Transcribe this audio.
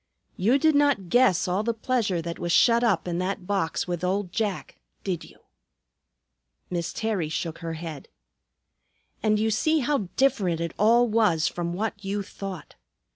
"You did not guess all the pleasure that was shut up in that box with old Jack, did you?" Miss Terry shook her head. "And you see how different it all was from what you thought.